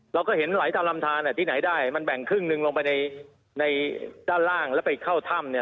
เราก็เห็นไหลตามลำทานที่ไหนได้มันแบ่งครึ่งหนึ่งลงไปในในด้านล่างแล้วไปเข้าถ้ำเนี่ย